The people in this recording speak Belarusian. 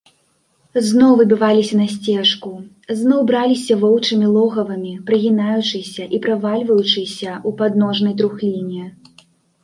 Зноў выбіваліся на сцежку, зноў браліся воўчымі логавамі, прыгінаючыся і правальваючыся ў падножнай трухліне.